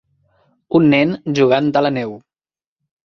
Un nen jugant a la neu.